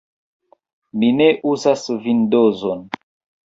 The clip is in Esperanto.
Mi ne uzas Vindozon.